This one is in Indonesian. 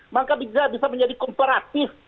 maka bisa menjadi komparatif